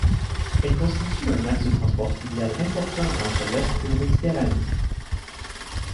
Elle constitue un axe de transport fluvial important entre l'est et la Méditerranée.